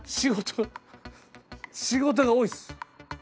仕事が多いっす。